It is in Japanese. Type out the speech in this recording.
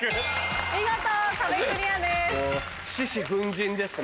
見事壁クリアです。